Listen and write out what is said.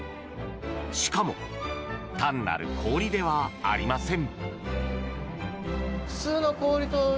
しかも単なる氷ではありません。